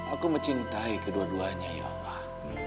aku mencintai kedua duanya ya allah